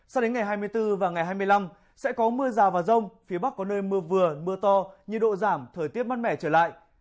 sao đến ngày hai mươi bốn và ngày hai mươi năm sẽ có mưa rào và rông phía bắc có nơi mưa vừa mưa to nhiệt độ giảm thời tiết mát mẻ trở lại